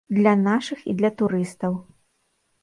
Для нашых і для турыстаў.